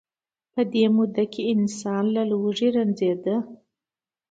په دې موده کې انسان له لوږې رنځیده.